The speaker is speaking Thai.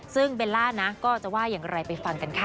ซึ่งเบลล่านะก็จะว่าอย่างไรไปฟังกันค่ะ